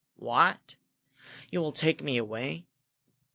"What? You will take me away?"